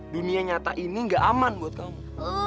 dunia nyata ini gak aman buat kamu